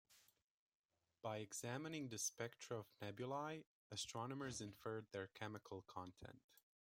By examining the spectra of nebulae, astronomers infer their chemical content.